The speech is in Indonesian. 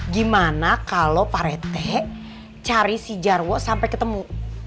gimana kalau pak rt cari si jarwo sampai ketemu